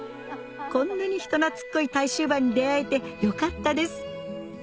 こんなに人懐っこい対州馬に出合えてよかったです